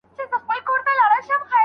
آیا کال تر میاشتې اوږد دی؟